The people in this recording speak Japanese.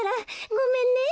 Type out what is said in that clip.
ごめんね。